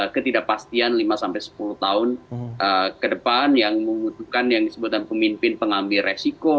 ketidakpastian lima sampai sepuluh tahun ke depan yang membutuhkan yang disebutkan pemimpin pengambil resiko